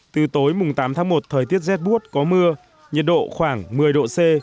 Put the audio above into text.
từ tối tám tháng một thời tiết rét bút có mưa nhiệt độ khoảng một mươi độ c